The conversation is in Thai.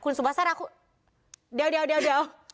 คุณสุภาษาธรรมคุณเดี๋ยวเดี๋ยวเดี๋ยว